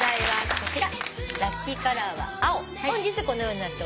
こちら。